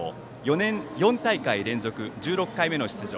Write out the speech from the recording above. ４年４大会連続、１６回目の出場